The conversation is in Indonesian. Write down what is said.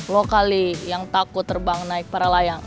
lo kali yang takut terbang naik para layang